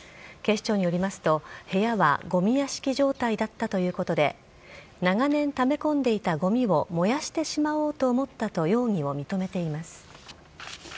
警視庁によりますと、部屋はごみ屋敷状態だったということで、長年ため込んでいたごみを燃やしてしまおうと思ったと容疑を認めています。